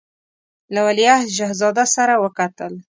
له ولیعهد شهزاده سره وکتل.